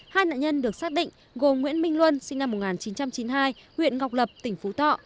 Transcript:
hai nạn nhân được xác định gồm nguyễn minh luân sinh năm một nghìn chín trăm chín mươi hai huyện ngọc lập tỉnh phú thọ